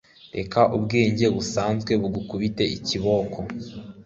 Reka ubwenge busanzwe bugukubite ikiboko